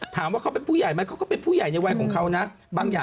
ถามว่าเขาเป็นผู้ใหญ่ไหม